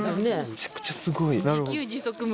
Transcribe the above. むちゃくちゃすごい。